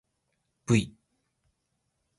ｖ